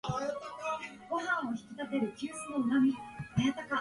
チョコを食べると重力が逆さになる